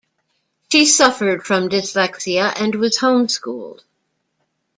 She suffered from dyslexia and was home-schooled.